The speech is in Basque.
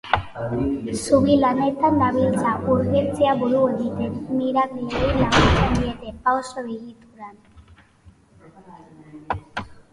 Zubi lanetan dabiltza urgentziei buru egiten, migratzaileei laguntzen diete, pauso-egituran.